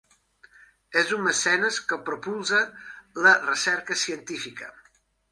És un mecenes que propulsa la recerca científica.